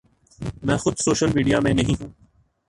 میں خود social media میں نہیں ہوں۔